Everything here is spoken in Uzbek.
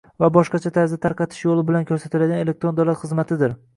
va boshqacha tarzda tarqatish yo‘li bilan ko‘rsatiladigan elektron davlat xizmatidir.